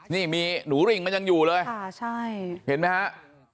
นี่มีหนูริ่งมันยังอยู่เลยค่ะใช่เห็นไหมฮะ